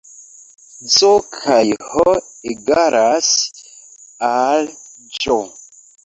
Z kaj H egalas al Ĵ